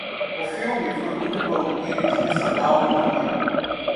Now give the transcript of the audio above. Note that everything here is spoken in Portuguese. O filme foi muito bom, ele disse a um amigo.